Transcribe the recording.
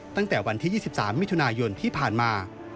ตั้งแต่วันที่๒๓มิถุนายนที่ผ่านมา